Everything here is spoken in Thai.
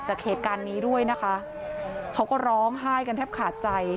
จากเหตุการณ์นี้ด้วยนะคะเขาก็ร้องไห้กันแทบขาดใจ